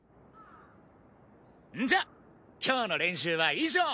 んじゃ今日の練習は以上。